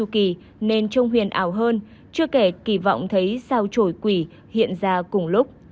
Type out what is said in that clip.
kỳ nên trung huyền ảo hơn chưa kể kỳ vọng thấy sao trổi quỷ hiện ra cùng lúc